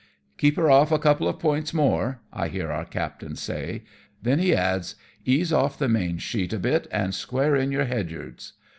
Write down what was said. " Keep her ofi" a couple of points more/' I hear our captain say, then he adds, "ease ofi" the main sheet a bit and square in your head yards."